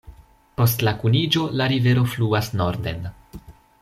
Post la kuniĝo la rivero fluas norden.